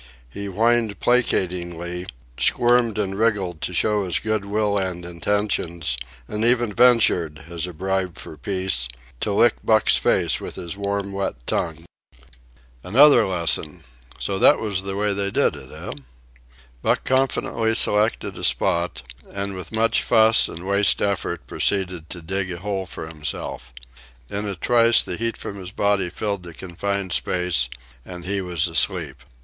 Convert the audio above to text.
He whined placatingly, squirmed and wriggled to show his good will and intentions, and even ventured, as a bribe for peace, to lick Buck's face with his warm wet tongue. Another lesson. So that was the way they did it, eh? Buck confidently selected a spot, and with much fuss and waste effort proceeded to dig a hole for himself. In a trice the heat from his body filled the confined space and he was asleep.